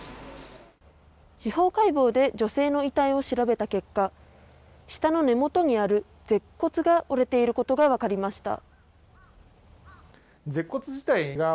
司法解剖で女性の遺体を調べた結果舌の根元にある舌骨が折れていたことが分かりました。